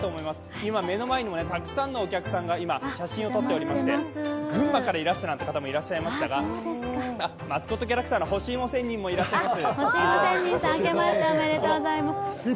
今、目の前にもたくさんのお客さんが写真を撮っていらっしゃって群馬からいらっしゃったっていう方もいらっしゃいましたが、マスコットキャラクターのほしいも仙人もいらっしゃいます。